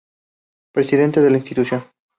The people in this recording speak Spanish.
Presidente de la institución.